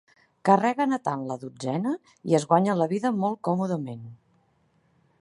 Carreguen a tant la dotzena, i es guanyen la vida molt còmodament.